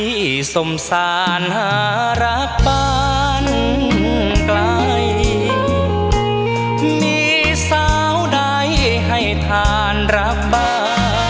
สงสารหารักบ้านไกลมีสาวใดให้ทานรับบ้า